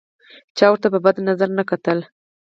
چا ورته په بد نظر نه کتل.